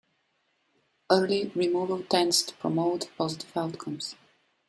Early removal tends to promote positive outcomes.